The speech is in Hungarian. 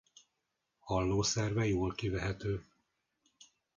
Hallószerve jól kivehető.